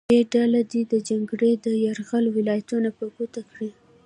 ب ډله دې د چنګیز د یرغل ولایتونه په ګوته کړي.